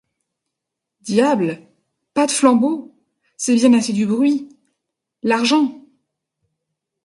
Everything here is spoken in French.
Diable ! pas de flambeau ! c’est bien assez du bruit !— L’argent !